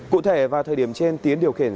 cụ thể vào thời điểm trên tiến điều khiển